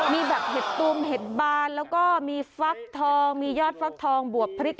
มีแบบเห็ดตูมเห็ดบานแล้วก็มีฟักทองมียอดฟักทองบวบพริก